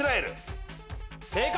正解。